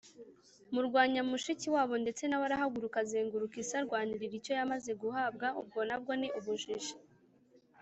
murwanya mushikiwabo ndetse nawe arahaguruka azenguruka isi arwanirira icyo yamaze guhabwa, ubwo nabwo ni ubujiji!